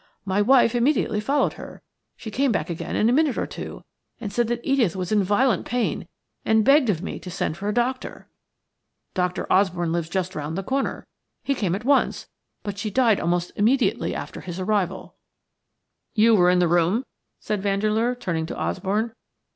My wife immediately followed her. She came back again in a minute or two, and said that Edith was in violent pain, and begged of me to send for a doctor. Dr. Osborne lives just round the corner. He came at once, but she died almost immediately after his arrival." "SHE JUMPED UP FROM THE TABLE AND UTTERED A SHARP CRY." "You were in the room?" asked Vandeleur, turning to Osborne.